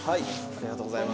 ありがとうございます。